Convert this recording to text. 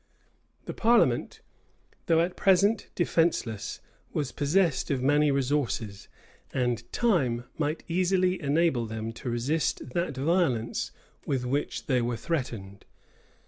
The parliament, though at present defenceless, was possessed of many resources; and time might easily enable them to resist that violence with which they were threatened.